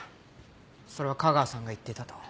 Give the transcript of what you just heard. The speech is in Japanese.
それは架川さんが言っていたと。